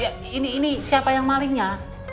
ya ini ini siapa yang malingnya